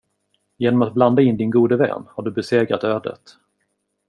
Genom att blanda in din gode vän, har du besegrat ödet.